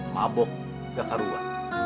mabok gak karuan